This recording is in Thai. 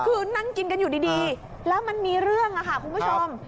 คือนั่งกินกันอยู่ดีแล้วมันมีเรื่องค่ะคุณผู้ชม